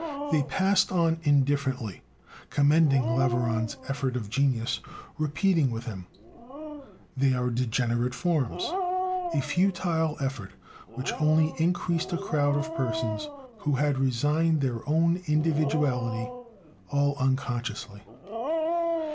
They passed on indifferently, commending Laveran's "effort of genius," repeating with him: They are degenerate forms. A futile effort, which only increased a crowd of persons who had resigned their own individuality all unconsciously.